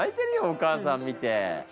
お母さん見て。